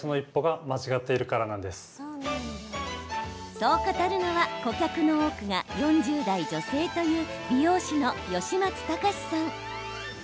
そう語るのは顧客の多くが４０代女性という美容師の吉松崇さん。